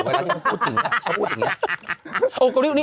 แล้วนี่เขาพูดจริงนะเขาพูดจริงนะ